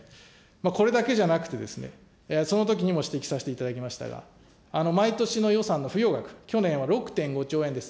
これだけじゃなくて、そのときにも指摘させていただきましたが、毎年の予算の付与額、去年は６．５兆円です。